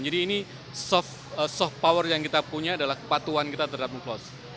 jadi soft power yang kita punya adalah kepatuhan terhadap unclosed